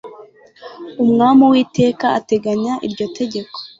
umwami uwiteka ateganya iryo tegeko